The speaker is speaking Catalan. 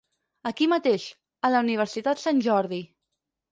Aquí mateix, a la Universitat Sant Jordi.